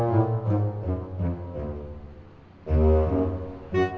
termizi dengan persis